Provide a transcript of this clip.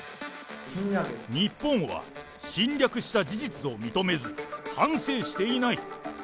日本は侵略した事実を認めず、反省していない。